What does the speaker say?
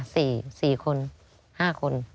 สี่คนห้าคน